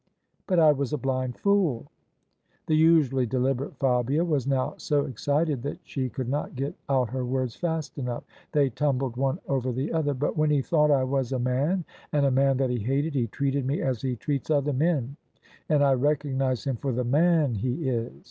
But I was a blind fool !" The usually deliberate Fabia was now so excited that she could not get out her words fast enough: they tumbled one over the other. " But when he thought I was a man, and a man that he hated, he treated me as he treats other men, and I recognise him for the man he is.